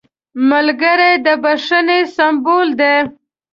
ملګری د بښنې سمبول دی